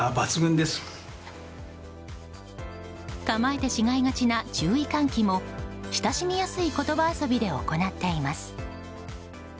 構えてしまいがちな注意喚起も親しみやすい言葉遊びで行っています。